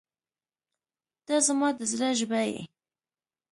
• ته زما د زړه ژبه یې.